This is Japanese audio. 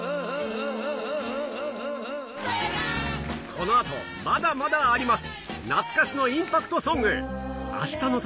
このあと、まだまだあります。